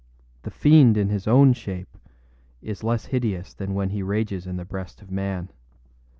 The fiend in his own shape is less hideous than when he rages in the breast of man.